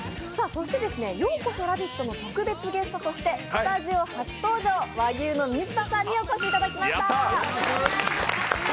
そして「＃ようこそラヴィット」の特別ゲストとしてスタジオ初登場、和牛の水田さんにお越しいただきました。